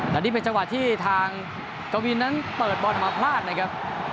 และนี่เป็นจังหวะที่ทางกวินนั้นเปิดบอลมาพลาดนะครับ